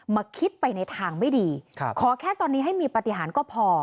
มาคิดไปในทางไม่ดีขอแค่ตอนนี้ให้มีปฏิหารก็พอ